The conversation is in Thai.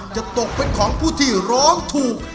จะตกเป็นของผู้ที่ร้องถูก